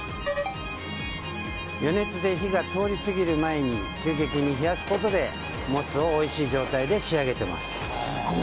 余熱で火が通りすぎる前に急激に冷やすことでモツをおいしい状態に仕上げています。